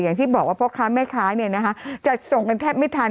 อย่างที่บอกว่าพ่อค้าแม่ค้าเนี่ยนะคะจะส่งกันแทบไม่ทัน